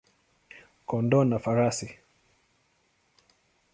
kondoo na farasi.